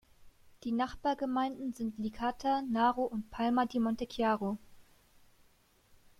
Die Nachbargemeinden sind Licata, Naro und Palma di Montechiaro.